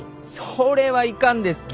それはいかんですき！